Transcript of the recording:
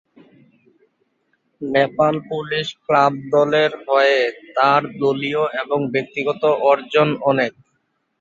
Nepal police club দলের হয়ে তার দলীয় এবং ব্যক্তিগত অর্জন অনেক।